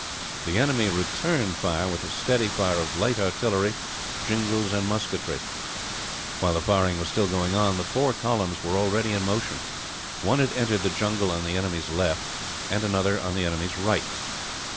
The enemy returned it with a steady fire of light artillery, jingals, and musketry. While the firing was still going on, the four columns were already in motion. One had entered the jungle on the enemy's left, and another on the right.